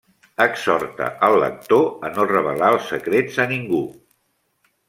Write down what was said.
Exhorta al lector a no revelar els secrets a ningú.